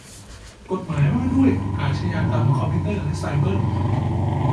กฎหมายว่าด้วยอาขญากรรมคอมพิวเตอร์และไซเบอร์